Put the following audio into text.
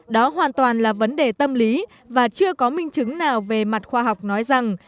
đó hoàn toàn là vấn đề tâm lý và chưa có minh chứng nào về mặt khoa học nói rằng